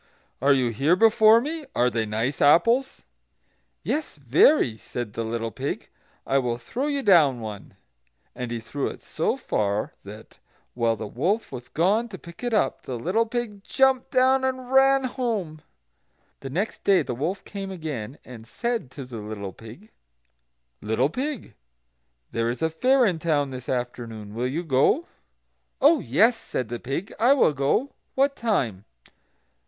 are you here before me? Are they nice apples?" "Yes, very," said the little pig. "I will throw you down one." And he threw it so far that, while the wolf was gone to pick it up, the little pig jumped down and ran home. The next day the wolf came again, and said to the little pig: "Little pig, there is a fair in town this afternoon; will you go?" "Oh yes," said the pig, "I will go; what time?"